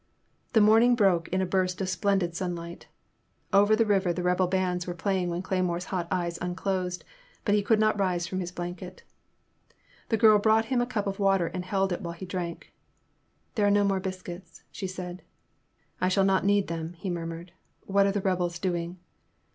The morning broke in a burst of splendid sun light. Over the river the rebel bands were play ing when Cleymore* s hot eyes unclosed, but he could not rise from his blanket. The girl brought him a cup of water and held it while he drank. There are no more biscuits, she said. I shall not need them, he murmured, what are the rebels doing